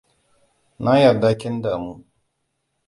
Na yarda kin damu.